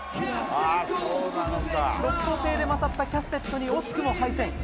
独創性で勝ったキャステットに惜しくも敗戦。